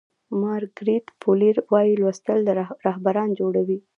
مارګریت فو لیر وایي لوستل رهبران جوړوي.